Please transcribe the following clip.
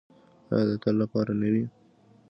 آیا د تل لپاره نه وي؟